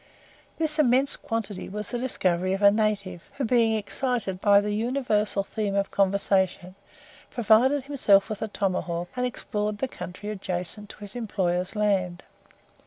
This immense quantity was the discovery of a native, who, being excited by the universal theme of conversation, provided himself with a tomahawk, and explored the country adjacent to his employer's land.